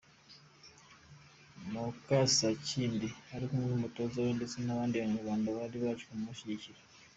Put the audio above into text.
Mukasakindi ari kumwe n’umutoza we ndetse n’abandi banyarwanda bari baje kumushyigikira.